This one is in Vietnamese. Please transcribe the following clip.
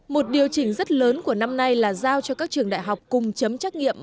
một điều chỉnh rất lớn của năm nay là giao cho các trường đại học cùng chấm trắc nghiệm